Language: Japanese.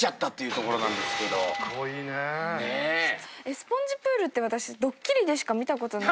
スポンジプールって私『ドッキリ』でしか見たことない。